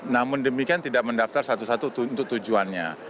namun demikian tidak mendaftar satu satu untuk tujuannya